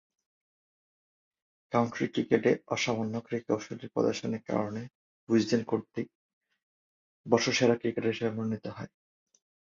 County ক্রিকেটে অসামান্য ক্রীড়াশৈলী প্রদর্শনের কারণে উইজডেন কর্তৃক বর্ষসেরা ক্রিকেটার হিসেবে মনোনীত হন।